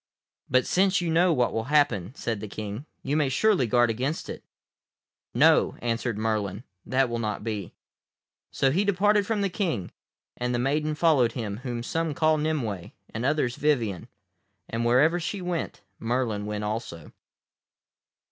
"But since you know what will happen," said the King, "you may surely guard against it." "No," answered Merlin, "that will not be." So he departed from the King, and the maiden followed him whom some call Nimue and others Vivien, and wherever she went Merlin went also.